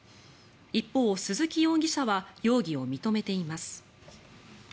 一方、鈴木容疑者は容疑を認めています。